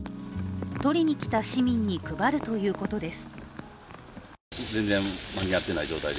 取りに来た市民に配るということです。